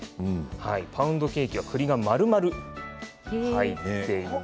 パウンドケーキはくりがまるまる入っています。